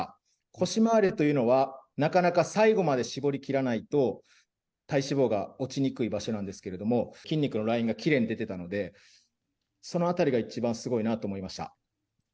腰回りというのは、なかなか最後まで絞り切らないと体脂肪が落ちにくい場所なんですけれども、筋肉のラインがきれいに出てたので、その辺りが一番すごいなと思いました。